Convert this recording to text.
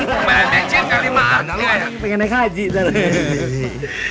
emang bencin kan ini emak